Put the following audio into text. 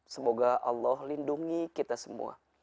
semoga allah lindungi kita semua